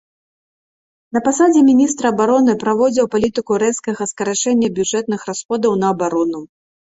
На пасадзе міністра абароны праводзіў палітыку рэзкага скарачэння бюджэтных расходаў на абарону.